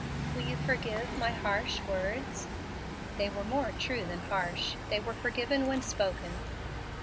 "Will you forgive my harsh words?" "They were more true than harsh. They were forgiven when spoken."